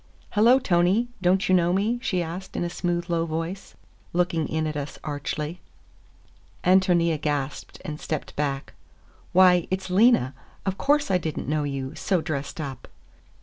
"Hello, Tony. Don't you know me?" she asked in a smooth, low voice, looking in at us archly. Ántonia gasped and stepped back. "Why, it's Lena! Of course I did n't know you, so dressed up!"